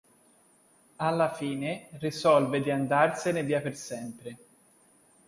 Alla fine, risolve di andarsene via per sempre.